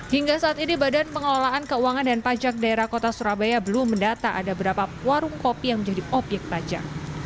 hingga saat ini badan pengelolaan keuangan dan pajak daerah kota surabaya belum mendata ada berapa warung kopi yang menjadi obyek pajak